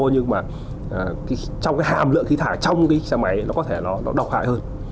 trong cái hàm lượng khí thải trong cái xe máy nó có thể nó độc hại hơn